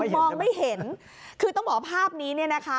มองไม่เห็นคือต้องบอกว่าภาพนี้เนี่ยนะคะ